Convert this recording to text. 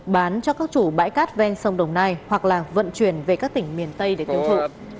bán cho các chủ bãi cát ven sông đồng nai hoặc là vận chuyển về các tỉnh miền tây để tiêu thụ